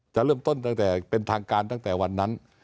จะเริ่มต้นเป็นทางการตั้งแต่วันนั้น